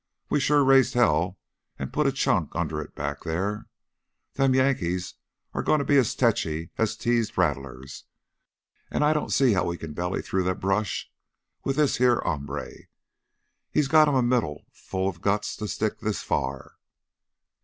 We sure raised hell an' put a chunk under it back theah. Them Yankees are gonna be as techy as teased rattlers. An' I don't see as how we can belly through the brush with this heah hombre. He's got him a middle full of guts to stick it this far.